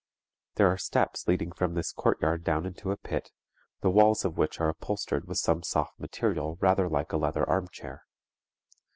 There are steps leading from this courtyard down into a pit, the walls of which are upholstered with some soft material rather like a leather arm chair.